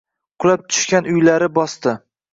Qulab tushgan uylari bosdi.